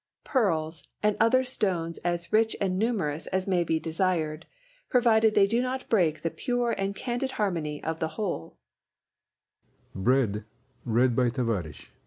Pearls and other stones as rich and numerous as may be desired, provided that they do not break the pure and candid harmony of the whole.